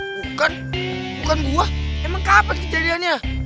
bukan bukan gua emang kapan kejadiannya